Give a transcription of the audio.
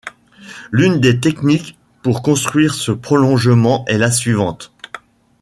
L'une des techniques pour construire ce prolongement est la suivante.